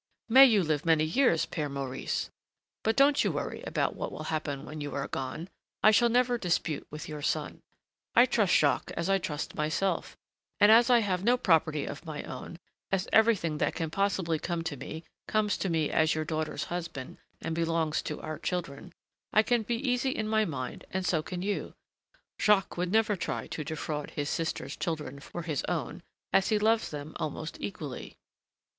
"May you live many years, Père Maurice! But don't you worry about what will happen when you are gone; I shall never dispute with your son. I trust Jacques as I trust myself, and as I have no property of my own, as everything that can possibly come to me, comes to me as your daughter's husband and belongs to our children, I can be easy in my mind and so can you; Jacques would never try to defraud his sister's children for his own, as he loves them almost equally."